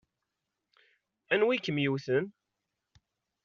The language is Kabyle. Anwa i kem-yewwten?